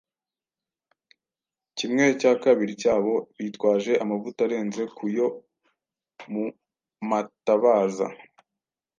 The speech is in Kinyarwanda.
Kimwe cya kabiri cyabo bitwaje amavuta arenze ku yo mu matabaza.